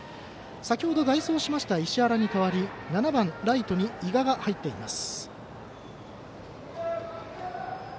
先ほど、代走しました石原に代わり７番ライトに伊賀が入っています。